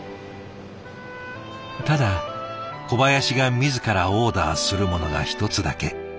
ただ小林が自らオーダーするものが１つだけ。